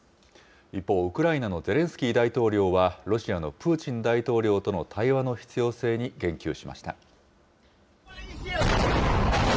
一方、ウクライナのゼレンスキー大統領は、ロシアのプーチン大統領との対話の必要性に言及しました。